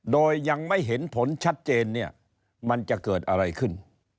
โดยยังไม่เห็นผลชัดเจนเนี่ยมันจะเกิดอะไรขึ้น